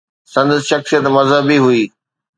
سندس شخصيت مذهبي هئي.